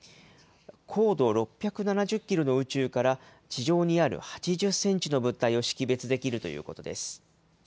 高度６７０キロの宇宙から、地上にある８０センチの物体を識別できるということです。